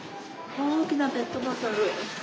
大きなペットボトル。